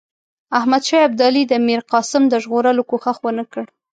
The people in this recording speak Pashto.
احمدشاه ابدالي د میرقاسم د ژغورلو کوښښ ونه کړ.